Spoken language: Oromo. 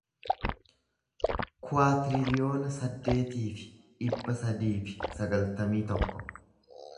kuwaatiriliyoona saddeetii fi dhibba sadii fi sagaltamii tokko